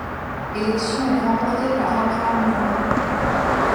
L’élection est remportée par Abraham Lincoln.